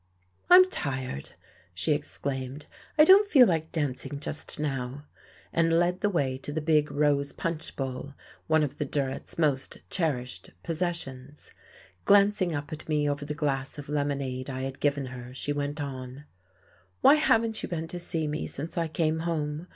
"I'm tired," she exclaimed. "I don't feel like dancing just now," and led the way to the big, rose punch bowl, one of the Durretts' most cherished possessions. Glancing up at me over the glass of lemonade I had given her she went on: "Why haven't you been to see me since I came home?